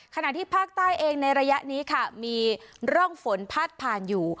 ขณะที่ภาคใต้เองในระยะนี้ค่ะมีร่องฝนพาดผ่านอยู่